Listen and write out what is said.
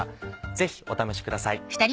ぜひお試しください。